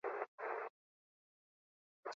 Oraindik ez dute argitu non izango den hitzordua.